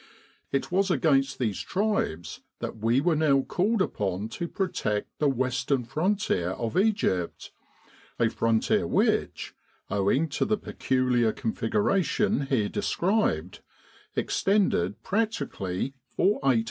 It was against these tribes that we were now called upon to protect the western frontier of Egypt a frontier which, owing to the peculiar configuration here described, extended practically for 800 miles.